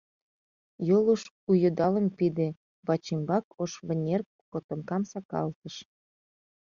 Йолыш у йыдалым пиде, вачӱмбак ош вынер котомкам сакалтыш.